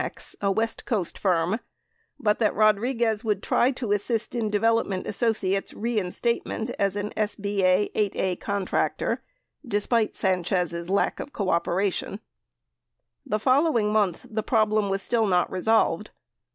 390 was slated to go to Amex, a west coast firm, but that Rodriguez would try to assist in Development Associates' reinstatement as a SBA 8 (a) contractor despite Sanchez' lack of cooperation. . The following month, the problem was still not resolved.